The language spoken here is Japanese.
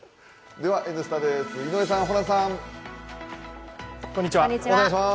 では「Ｎスタ」です。